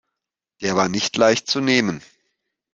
Der war nicht leicht zu nehmen.